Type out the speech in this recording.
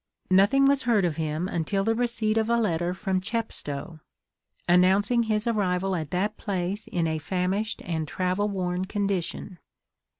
Nothing was heard of him until the receipt of a letter from Chepstow, announcing his arrival at that place in a famished and travel worn condition.